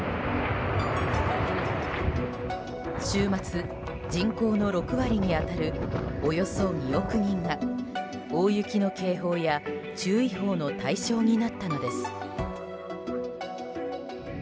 週末、人口の６割に当たるおよそ２億人が大雪の警報や注意報の対象になったのです。